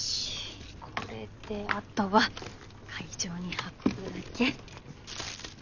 これであとは会場に運ぶだけ。